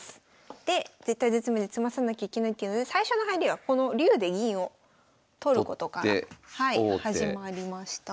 で絶体絶命で詰まさなきゃいけないっていうので最初の入りはこの竜で銀を取ることから始まりました。